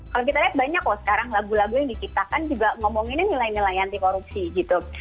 kalau kita lihat banyak loh sekarang lagu lagu yang diciptakan juga ngomonginnya nilai nilai anti korupsi gitu